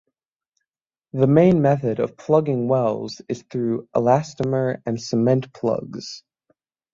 The main method of plugging wells is through elastomer and cement plugs.